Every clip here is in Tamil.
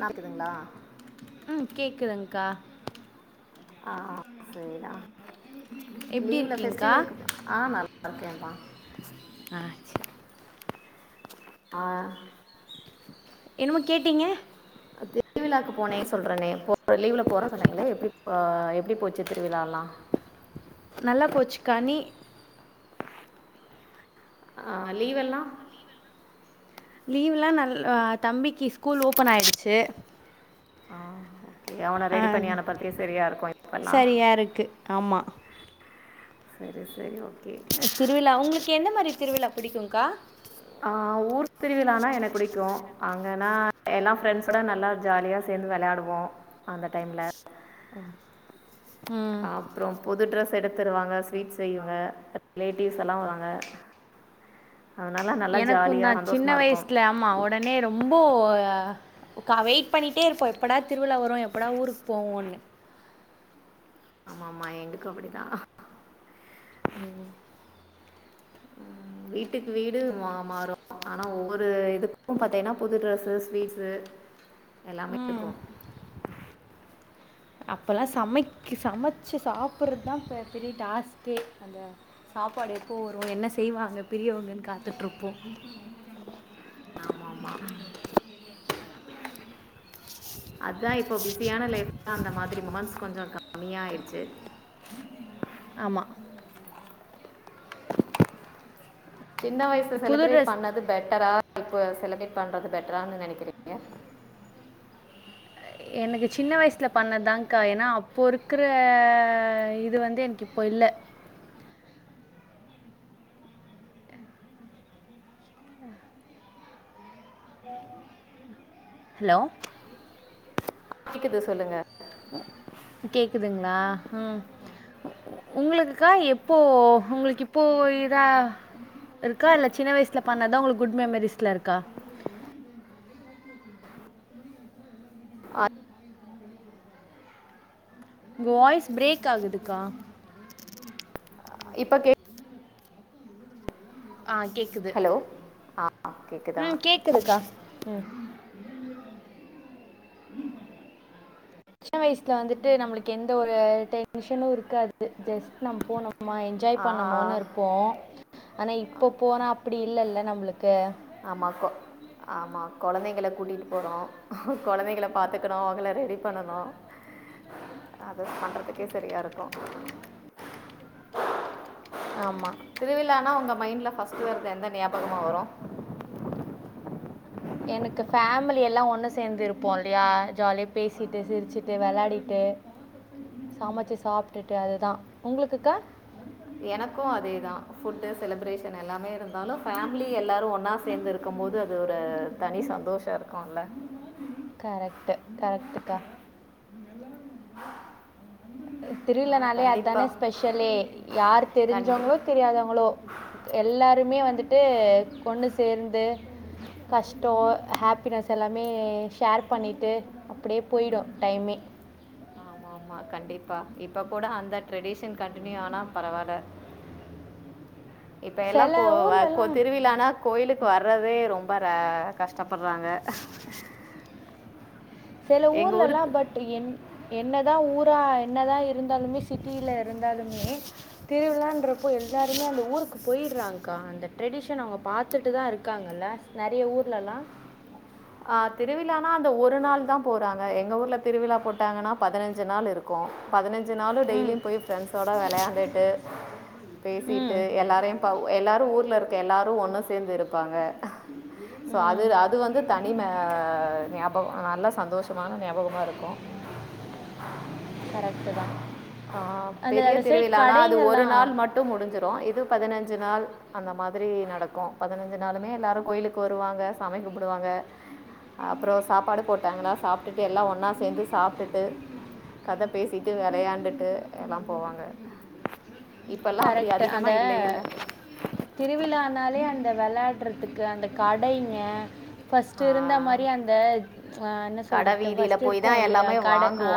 நடக்குதுங்களா ம் கேக்குதுங்கா ஆ சேரி டா எப்படி லீவ்ல இருக்கீங்கக்கா பெஃபஸ்டிவல்க்கு ஆ நல்லா இருக்கேன்ப்பா ஆ சரி ஆ என்னுமோ கேட்டீங்க திருவிழாவுக்கு போனே சொலிறேனே போன லீவுல போறே சொன்னீங்களே எப்டி அ எப்டி போச்சு திருவிழாலா நல்ல போச்சுக்கா நீ ஆ லீவெல்லா லீவ்லா நல் தம்பிக்கு ஸ்கூல் ஓப்பன் ஆயிடுச்சு ஆ ஓகே அவன ஆ, ரெடி பண்ணி அனுப்றதுக்கே சரியா இருக்கு இப்பெல்லா தா இருக்கு ஆமா சரி சரி ஓகே திருவிழா உங்ளுக்கு எந்த மாரி திருவிழா பிடிக்குங்க்கா ஆ ஊர் திருவிழானா எனக் பிடிக்கு அங்கனா எல்லா ஃப்ரெண்ட்ஸோட நல்லா ஜாலியா சேந்து வெளாடுவோ அந்த டைம்ல ம் ம் அப்றோ புது ட்ரெஸ் எடுத்துருவாங்க ஸ்வீட்ஸ் செய்யுங்க ரிலேட்டிவ்ஸ் எல்லா வராங்க எனக்குந்தா சின்ன சந்தோஷமா இருக்கும் வயசுல ஆமா உடனே ரொம்போ ஒரு கா வெயிட் பண்ணிட்டே இருப்போ எப்படா திருவிழா வரு எப்படா ஊருக்கு போவோன்னு ஆமா ஆமா எங்க கம்பெனி தா ம் ம் உம் வீட்டுக்கு வீடு மா மாறு ஆனா ஒவ்வொரு இதுக்கு பாத்தேன்னா புது ட்ரெஸ்ஸூ ஸ்வீட்ஸூ எல்லாமே இருக்கு அப்பல்லா சமைக் சமச்சு சாப்பிட்றதா இப்ப பெரிய டாஸ்க்கே அதா சாப்பாடு எப்போ வரு என்ன செய்வாங்க பெரியவங்கன் காத்துட் இருப்போ ஆம ஆமா அதா இப்போ பிஸியான லைப்ல அந்த மாதிரி மூமெண்ட்ஸ் கொஞ்சோ கம்மியாயிடுச்சு ஆமா சின்ன வயசு புது செலிப்ரேட் ட்ரெஸ் பண்ணது பெட்டரா இப்ப செலிப்ரேட் பண்றது பெட்டரானு நெனைக்கிறே ஏ எனக்கு சின்ன வயசல பண்ணதாகா ஏனா அப்போ இருக்கிற இது வந்து எனக்கு இப்போ இல்ல ஹலோ கேக்குது சொல்லுங்க கேக்குதுங்ளா அ உங்களுக்கா எப்போ உங்களுக் இப்போ இதா இருக்கா இல்ல சின்ன வயசுல பண்ணாதா உங்களுக்கு குட் மெமரிஸ்ல இருக்கா ஆ உங்க வாய்ஸ் பிரேக் ஆகுதுக்கா இப்ப கேக் ஆ கேக் ஹலோ ஆ கேக்குதா ம் கேக்குதுக்கா ம் சின்ன வயசுல வந்துட்டு நம்மளுக்கு எந்த ஒரு டென்ஷனு இருக்காது அது ஜஸ்ட் நம் போனோ என்ஜாய் ஆ, பண்ணமோன் இருப்போ ஆனா இப்போ போனா அப்டி இல்ல்ல நம்மளுக்கு ஆமாக்கோ ஆமா கொழந்தைங்கள கூட்டிட்டு போறோ கொழந்தைங்கள பாத்துக்கணு அவங்கள ரெடி பண்ணணு அ அது பண்றதுக்கே சரியா இருக்கு ஆமா திருவிழானா ஒங்க மைண்ட்ல பஸ்ட் வர்றது எந்த ஞாபகமா வரு எனுக்கு ஃபேமிலி எல்லா ஒண்ணு சேந்து இருப்போ இல்லியா ஜாலியா பேசிட்டு சிரிச்சுட்டு வெளாடிட்டு சமைச்சு சாப்டுட்டு அதுதா உங்ளுக்குக்கா எனக்கு அதேதா ஃபுட்டு செலிப்ரேஷன் எல்லாமே இருந்தாலு ஃபேமிலி எல்லாரு ஒன்னா சேந்து இருக்கும் போது அது ஒரு தனி சந்தோஷ இருக்குல்ல கரெக்டு கரெக்டுக்கா இங்க எல்லா வந்து ஆ திருவிழானாலே அதானே கண்டிப்பாக ஸ்பெஷலே யார் கண்டி தெரிஞ்சவங்களோ தெரியாதங்ளோ எல்லாருமே வந்துட்டு கொண்ணு சேர்ந்து கஷ்டோ ஹேப்பினஸ் எல்லாமே ஷேர் பண்ணிட்டு அப்டியே போய்டு டைமே ஆமா ஆமா கண்டிப்பா இப்ப கூட அந்த ட்ரெடிஷன் கண்டினியூ ஆனா பரவால்ல இப்ப எல்லா சில கோ அ கோ ஊர்லலாம் திருவிழானா கோயிலுக்கு வர்றதே ரொம்ப ர கஷ் டப்பறாங்க செல ஊர்லல்லா பட் என் என்னதா ஊரா என்னதா இருந்தாலுமே சிட்டில இருந்தாலுமே திருவிழான்றப்ப எல்லாருமே அந்த ஊருக்கு போய்டுறாங்கக்கா அந்த ட்ரெடிஷன் அவங்க பாத்துட்டுதா இருக்காங்கல்ல நெறைய ஊர்லலா திருவிழானா அந்த ஒரு நாள்தா போறாங்க எங்க ஊர்ல திருவிழா போட்டாங்கன்னா பதினஞ்சு நாள் இருக்கு பதினஞ் சு நாளு ம் டெய்லியு போய் ஃப்ரண்ட்ஸோட வெளயாண்டுட்டு பேசிட்டு ம் எல்லாரையு பவ் எல்லாரு ஊர்ல இருக் ப எல்லாரு ஒன்னு சேந்து இருப்பாங்க சோ அது ம் அது வந்து தனிம ஞாபகோ நல்ல சந்தோஷமான ஞாபகமா இருக்கு கரெக்ட்டுதா ஆ, அந்த அந்த சைட் கடைங்கல்லா டு முடிஞ்சுறு இது பதினஞ்சு நாள் அந்த மாதிரி நடக்கு பதினஞ்சு நாளுமே எல்லாரு கோயிலுக்கு வருவாங்க சாமி கும்புடுவாங்க அப்ற சாப்பாடு போட்டாங்கனா சாப்டுட்டு எல்லா ஒன்னா சேந்து சாப்டுட்டு கத பேசிட்டு வெளயாண்டுட்டு எல்லா போவாங்க இப்பெல்லா அப்டி கரெக்டு அதிகமா அந்த இல்ல இல்ல திருவிழானாலே அந்த வெளாடுறதுக்கு அந்த கடைங்க ஃபஸ்ட் இருந்த மாரி அந்த என்ன கடை சொல்றது ஃபஸ்ட் இருக்கு இல்லயா கட ஆ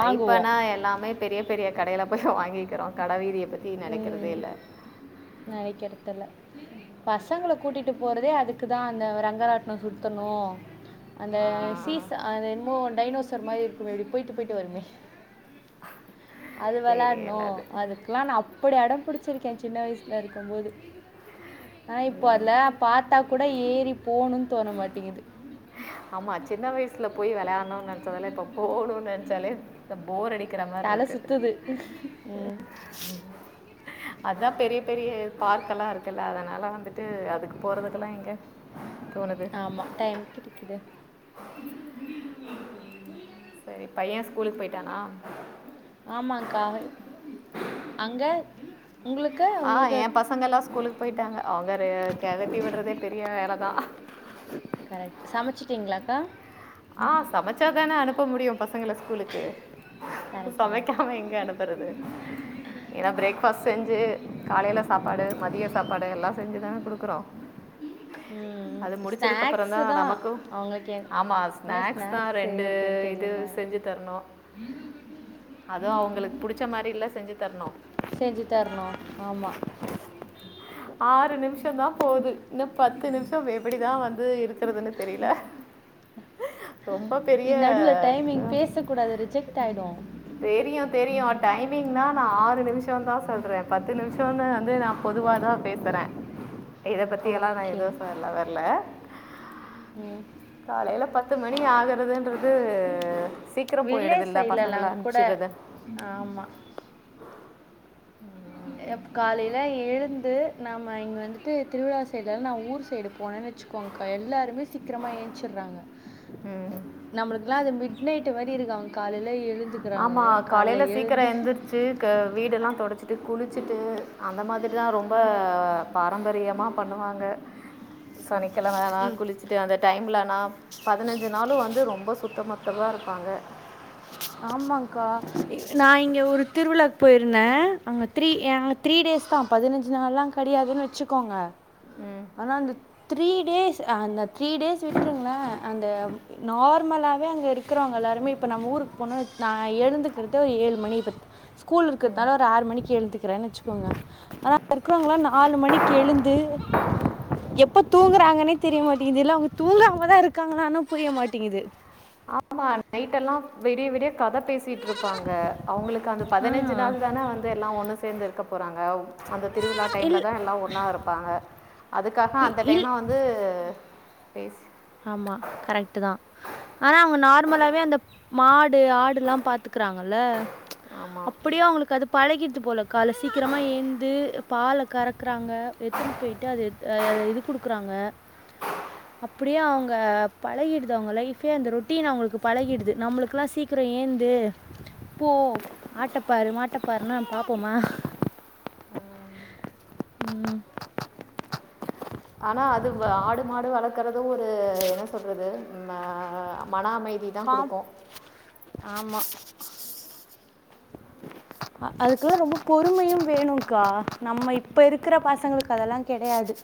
அ இப்பனா எல்லாமே பெரிய பெரிய கடைல போய் வாங்கிக்கிறோ கட வீதிய பத்தி நெனக்கறதே இல்ல நெனக்கெறத்தில்ல பசங்கள கூட்டிட்டு போறதே அதுக்குதா அந்த ரெங்கராட்னோ சுத்தணு அந்த சீஸ்சா அது என்னமோ டைனோசர் மாரி இருக்குமே இப்டி போய்டு போய்டு வருமே அது வெளாட்ணு தெரியல அது அதுக்கெல்லா நா அப்படி அடம் புடிச்சுருக்கே சின்ன வய்சுல இருக்கும் போது ஆனா இப்போ ம். அதுல பாத்தா கூட ஏறி போணுன் தோன மாட்டிங்குது ஆமா சின்ன வய்சுல போய் வெளயாணு நெனைச்சதால இப்ப போணுன் நெனைச்சாலே த போர் அடிக்கிற தலை மார்ருக்கு சுற்றுது ம் அதா பெரிய பெரிய பார்க் எல்லா இருக்குல்ல அதுனால வந்துட்டு அதுக்கு போறதுக்கெல்லா எங்க தோணுது ஆமா டைம் கெடிக்குது செரி பைய ஸ்கூலுக் பொய்ட்டானா ஆமாங்கா அங்க உங்ளுக்கு ஆ ஏ பசங்க எல்லா ஸ்கூலுக்கு போயிட்டாங்க அவுங்க ரெ கெளப்பி போயிட்டாங்க விட்றதே பெரிய வேலதா அ சமைச்சிட்டிங்ளாக்கா ஆ சமைச்சாதான அனுப்ப முடியு பசங்கள ஸ்கூலுக்கு கரெக்டு தான் சமைக்காம எங்க அனுப் வருது ஏன்னா பிரேக் ஃபாஸ்ட் செஞ்சு காலையில சாப்பாடு மதிய சாப்பாடு எல்லா செஞ்சுதான குடுக்குறோ ம் அது முடிச்சதுக்கப்றோ தா ஸ்நாக்ஸு தான் நமக்கு அவங்களுக்கு என்- ஆமா என்ன ஸ்நாக்ஸ் தா ரெண்டு செய்கிறதுன்னு இது தெரியுமா செஞ்சு தருனூ அதுவு அவுங்களுக்கு புடிச்ச மாரி இல்ல செஞ்சு தருனூ செஞ்சு தருனூ ஆமா ஆறு நிமிஷோ தா போது இன்னோ பத்து நிமிஷோ எப்டிதா வந்து இருக்குறதுன்னு தெரில ரொம்ப பெரிய இது நடுவில் டைமிங் பேசக்கூடாது ரிஜெக்ட் ஆகிடும் தெரியு தெரியு டைமிங்தா நா ஆறு நிமிஷோ தா சொல்றே பத்து நிமிஷோனு வந்து நா பொதுவா தா பேசுறே [inaudible] இத பத்தியெல்லா நா எதுவு சொல்ல வர்ல உம் காலையில பத்து மணி ஆகுறதுன்றது சீக்கிரம் போயிடுது இல்ல பசங்கள அம்ச்சிறது ஆமா காலையில எழுந்து நாம இங்க வந்துட்டு திருவிழா சைடுலா நா ஊர் சைடு போனோனு வச்சுக்கோங்க்கா எல்லாருமே சீக்கிரமா ஏன்ச்சிறாங்க ம் நம்மளுக்குல்லா அது மிட் நைட் மாரி இருக்கு அங் காலையில எழுந்துக்குறாங்க கால்ல எழுந்து க்கு வீடெல்லா தொடச்சிட்டு குளிச்சிட்டு அந்த மாரி தா ரொம்ப ப பாரம்பரியமா பண்ணுவாங்க சனிக்கெழமல்லா குளிச் சிட்டு அந்த டைமிலனா பதினஞ்சு நாளு வந்து ரொம்ப சுத்தமத்தமா இருப்பாங்க ஆமாங்கா நா இங்க ஒரு திருவிழாக்கு போயிருந்தே அங்க த்ரீ ஏ த்ரீ டேஸ் தா பதினஞ்சு நாள்லா கெடையாதுன்னு வச்சுக்கோங்க உம் ஆனா அந்த த்ரீ டேஸ் அந்த த்ரீ டேஸ் விட்ருங்ளே அந்த நார்மலாவே அங்க இருக்கிறவங்க எல்லோருமே இப்போ நம்ம ஊருக்கு போணோன்னா நா எழுந்துக்கிறது ஒரு ஏழு மணி ப ஸ்கூல் இருக்கதால ஒரு ஆறு மணிக்கு எழுந்துக்கிறேன் வச்சு உம் அ இருக்கிறவ்ங்ளா நாலு மணிக்கு எழுந்து எப்போ தூங்குறாங்கன்னே தெரிய மாட்டேங்கிது இல்ல அவுங்க தூங்காமதா இருக்காங்களானோ புரிய மாட்டேங்கிது ஆமா நைட் எல்லா விடிய விடிய கத பேசி த்திட்டு இருப்பாங்க அவுங்களுக்கு அந்த ஆ பதினஞ்சி நாள் தான வந்து எல்லா ஒண்ணு சேந்து இருக்க போறாங்க அந்த திருவிழா டைம்ல இல்லை தா எல்லா ஒன்னா இருப்பாங்க அதுக்காக இ- அந்த இல் டைம்னா வ ந்து பேஸ் ஆமா கரெக்ட் ட்டு தா ஆனா அவுங்க நார்மலாவே அந்த மாடு ஆடுல்லா பாத்துக்குறாங்கல்ல ஆமா. அப்டியே அவுங்களுக்கு அது பழகிச்சு போல கால்ல சீக்கிரமா ஏந்து பாலக் கறக்குறாங்க எத்துன்னு போயிட்டு அத அ அத இது குடுக்குறாங்க அப்டியே அவுங்க பழகிடுது அவுங்க லைஃபே அந்த ரொட்டீன் அவுங்களுக்கு பழகிடுது நம்மளுக்கு எல்லா சீக் அப்றோ ஏந்து போ ஆட்டப்பாரு மாட்டப்பாருன்னா பாப்போமா ம் ஆனா அது ஆடு மாடு வளர்க்கறது ஒரு என்ன சொல்றது ம மன அமைதி தான் காம் குடுக்கும். ஆமா அதுக்குல்லா ரொம்ப பொறுமையு வேணுங்க்கா நம்ம இப்ப இருக்கிற பசங்களுக்கு அதெல்லா கெடையாது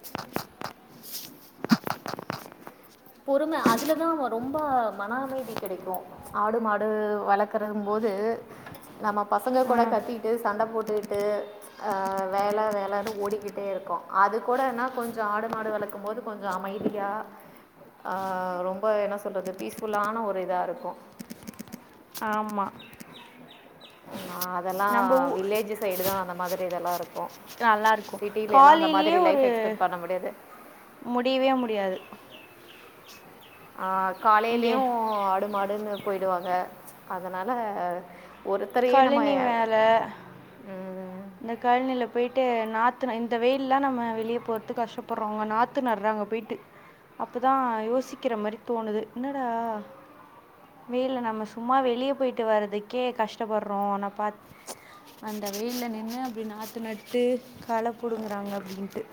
பொறும அதுல தா அவ ரொம்ப மன அமைதி கெடைக்கு ஆடு மாடு வளக்கறம் போது நம்ம பசங்க கூட கத்திக்கிட்டு சண்ட போட்டுகிட்டு அ வேல வேலனு ஓடிக்கிட்டே இருக்கோ அது கூட என்ன கொஞ்சோ ஆடு மாடு வளக்கும் போது கொஞ்சோ அமைதியா ஆ ரொம்ப என்ன சொல்றது பீஸ்புல்லான ஒரு இதா இருக்கு ஆமா ஆ அதெல்லா நம்ம ஊ வில்லேஜ் சைடு தா அந்த மாதிரி இதெல்லா இருக்கு நல்லா இருக்கு காலைலேயே ஒரு பண்ண முடியாது முடியவே முடியாது ஆ இங்கே காலைலயு ஆடு மாடுன்னு போய்டுவாக அதனால ஒருத்தரயே நம்ம எ த இந்த காலனில பேய்ட்டு நாத்து இந்த வெயில்ல நம்ம வெளிய போறதுக்கு கஷ்டப்படுறோ அவுங்க நாத் து நடுறாங்க பேய்ட்டு அப்பதா யோசிக்கர மாரி தோணுது என்னடா வெயில்ல நம்ம சும்மா வெளிய போய்ட்டு வர்றதுக்கே கஷ்டப் பட்றோ ஆனா பாத் அந்த வெயில்ல நின்னு அப்டி நாத்து நட்டு கள புடுங்குறாங்க அப்டின்ட்டு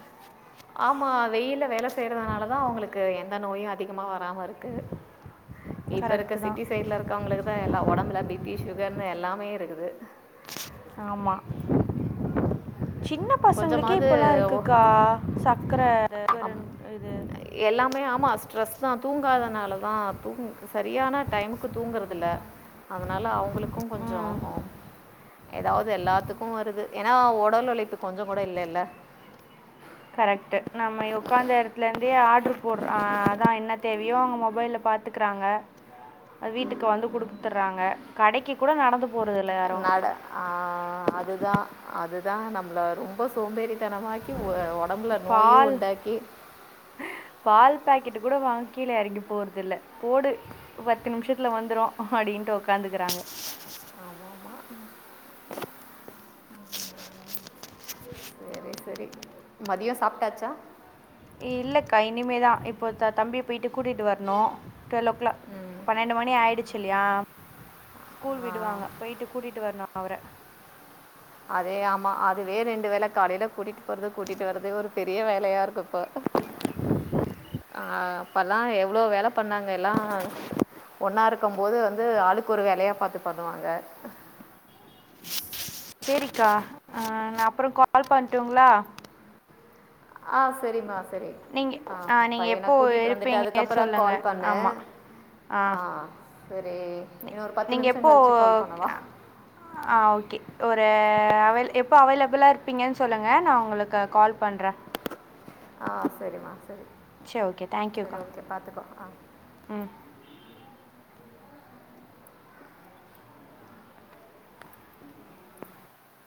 ஆமா வெயில்ல வேல செய்யறதுனால தா அவங்களுக்கு எந்த நோயு அதிகமாக வராம இருக்கு இப்ப இருக்க கரெக்டு தான் சிட்டி சைட்ல இருக்கவங்களுக்குதா எல்லா ஒடம்புல பி பி சுகர்னு எல்லாமே இருக்குது ஆமா சின்ன பசங்களுக்கே கொஞ்சமாவது இப்பல்லா ஒ இருக்குக்கா சக்கர அம் ன் இது இது எல்லாமே ஆமா ஸ்ட்ரெஸ் தா தூங்காதனால தா தூங் சரியான டைமுக்கு தூங்கறதில்ல அதனால அவுங்களுக்கு கொஞ்சோ ம் ஏதாவது எல்லாத்துக்கு வருது ஏனா ஒடல் ஒழைப்பு கொஞ்சோ கூட இல்லல கரெக்ட்டு நம்ம உக்காந்த எடத்துல இருந்தே ஆட்ரு போடுற ஆ அதா என்ன தேவயோ அவுங்க மொபைல்ல பாத்து க்கறாங்க அ வீட்டுக்கு வந்து குடுத்தறாங்க கடைக்கு கூட நடந்து போகிறதில்ல எ யாரும் நட ஆ அது தா அது தா நம்மள ரொம்ப சோம்பேறித்தனமா ஆக்கி ஒ ஒடம்புல நோயு பால் உண்டாக்கி பால் பாக்கெட் கூட வாங்க கீழ எறங்கி போறது இல்ல போடு பத்து நிமிஷத்துல வந்துரு அப்டின்ட்டு உக்காந்துக்கறாங்க ஆமா ஆமா ம் சேரி சேரி மதியோ சாப்ட்டாச்சா இல்லக்கா இனிமேதா இப்போ த தம்பிய போய்ட்டு கூட்டிட்டு வரணு டுவெல்லோ கிளாக் பன்னெண்டு மணி ஆயிடுச்சி இல்லயா ஸ்கூல் விடுவாங்க பேய்ட்டு கூட்டிட்டு வரணு அவர அதே ஆமா அதுவே ரெண்டு வேல காலைல கூட்டிட்டு போறது கூட்டிட்டு வர்றதே ஒரு பெரிய வேலயா இருக்கு இப்போ அ அப்பல்லா எவ்ளோ வேல பண்ணாங்க எல்லா ஒன்னா இருக்குபோது வந்து ஆளுக்கு ஒரு வேலயா பாத்து பண்ணுவாங்க சேரிக்கா அ நா அப்றோ கால் பண்ட்டுங்ளா ஆ சரிமா சரி நீங்கள் ஆ நீங்கள் பையன எப்போ கூட்டிட்டு வந்துட்டு இருப்பீங்க அதுக்கப்புறோ கால் சொல்லுங்கள் பண்ணு ஆமாம் ஆ சரி இன்னு ஒரு பத்து நீங்கள் நிமிஷோ எப்போ கழிச்சி கால் பண்ணவா ஆ ஓகே ஒரு அவைல் எப்போ அவைலபிளா இருப்பீங்கன் சொல்லுங்க நா உங்களுக்கு கால் பண்றே ஆ சரிமா சரி சே ஓகே சரி தேங்க்யூக்கா ஓகே பார்த்துக்கோ ஆ ம்